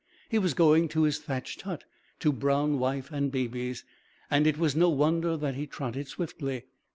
He was going to his thatched hut, to brown wife and babies, and it was no wonder that he trotted swiftly.